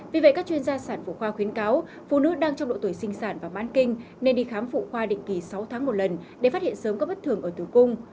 vì vậy các chuyên gia sản phụ khoa khuyến cáo phụ nữ đang trong độ tuổi sinh sản và mãn kinh nên đi khám phụ khoa định kỳ sáu tháng một lần để phát hiện sớm các bất thường ở tử cung